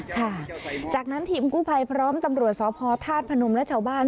ค่ะจากนั้นทีมกู้ภัยพร้อมตำรวจสพธาตุพนมและชาวบ้าน